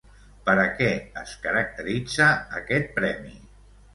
Per a què es caracteritza aquest premi?